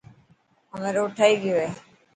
همي روڊ ٺهي گيو هي.